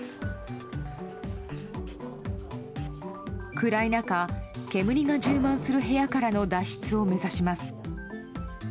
暗い中煙が充満する部屋からの脱出を目指します。